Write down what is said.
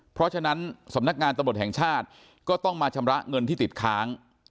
เพราะฉะนั้นสำนักงานตำรวจแห่งชาติก็ต้องมาชำระเงินที่ติดค้าง